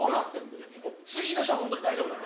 次の人は本当に大丈夫なんで。